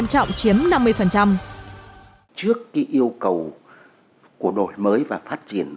trước khi yêu cầu của đội mới và phát triển